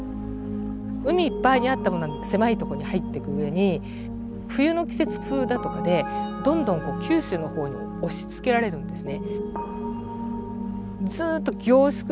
海いっぱいにあったものが狭いとこに入ってく上に冬の季節風だとかでどんどん九州の方に押しつけられるんですね。